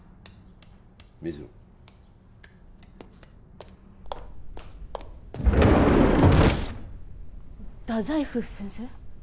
水野太宰府先生？